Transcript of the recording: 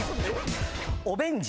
オベンジ。